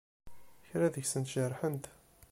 Kra deg-sent jerḥent.